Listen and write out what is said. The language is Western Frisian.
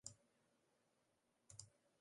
It wie it moaiste waar fan de wrâld.